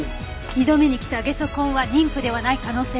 ２度目に来たゲソ痕は妊婦ではない可能性が高い。